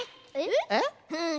えっ？